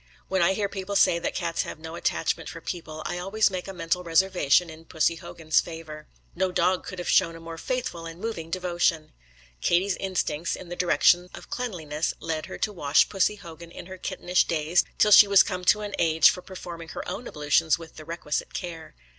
When I hear people say that cats have no attachment for people I always make a mental reservation in Pussy Hogan's favour. No dog could have shown a more faithful and moving devotion. Katie's instincts in the direction of cleanliness led her to wash Pussy Hogan in her kittenish days, till she was come to an age for performing her own ablutions with the requisite care.